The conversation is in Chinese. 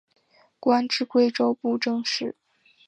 官至贵州布政使。